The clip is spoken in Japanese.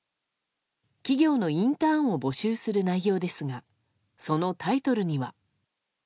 企業のインターンを募集する内容ですがそのタイトルには。